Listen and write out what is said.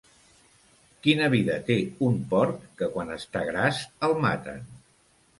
Quina vida té un porc que quan està gras el maten.